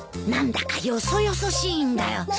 何だかよそよそしいんだよ。